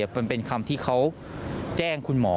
มันเป็นคำที่เขาแจ้งคุณหมอ